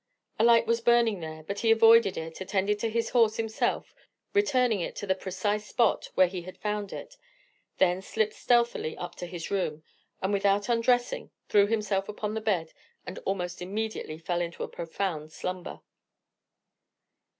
A light was burning there, but he avoided it attended to his horse himself, returning it to the precise spot where he had found it, then slipped stealthily up to his room, and without undressing threw himself upon the bed and almost immediately fell into a profound slumber.